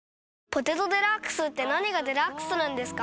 「ポテトデラックス」って何がデラックスなんですか？